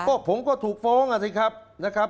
ก็ผมก็ถูกฟ้องอ่ะสิครับ